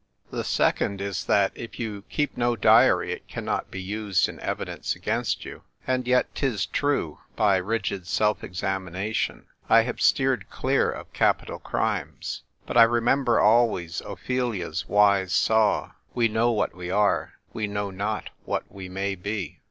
The second is that if you keep no diary it cannot be used in evidence against you. As yet, 'tis true, by rigid self exam.ination, I have steered clear of capital crimes ; but I remember always Ophelia's wise saw, " We know what we are; we know not what we may be."